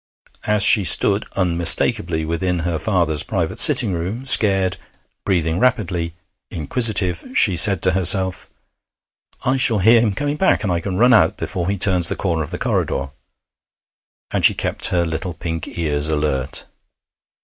As she stood unmistakably within her father's private sitting room, scared, breathing rapidly, inquisitive, she said to herself: 'I shall hear him coming back, and I can run out before he turns the corner of the corridor.' And she kept her little pink ears alert.